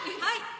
はい。